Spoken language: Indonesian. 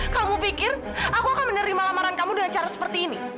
kamu pikir aku akan menerima lamaran kamu dengan cara seperti ini